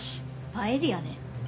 パエリアね。